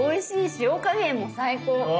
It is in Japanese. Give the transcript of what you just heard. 塩加減も最高！